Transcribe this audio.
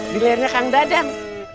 di layarnya kang dadang